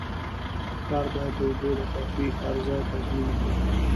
ښار باید د اوبو د کافي عرضه تضمین کړي.